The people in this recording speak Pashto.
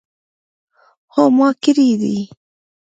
هو ما کړی دی